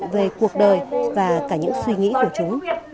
về cuộc đời và cả những suy nghĩ của chúng